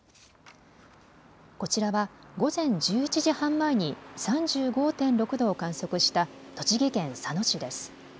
こちらは午前１１時半前に３５．６度を観測した栃木県佐野市です。